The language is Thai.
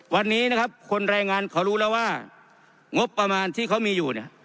วันนี้นะครับคนรายงานเขารู้แล้วว่างบประมาณที่เขามีอยู่เนี่ย